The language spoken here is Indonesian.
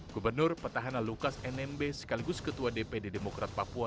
gubernur petahana lukas nmb sekaligus ketua dpd demokrat papua